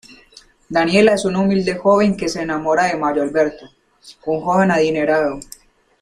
Daniela es una humilde joven que se enamora de Mario Alberto, un joven adinerado.